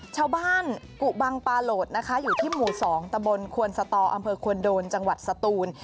กุบังปาโหลดนะคะอยู่ที่หมู่๒ตะบนควนสตออำเภอควนโดนจังหวัดสตูน